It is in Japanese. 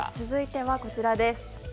続いてはこちらです。